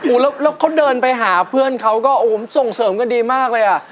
โอ้โหแล้วเขาเดินไปหาเพื่อนเขาก็โอ้โหส่งเสริมกันดีมากเลยอ่ะ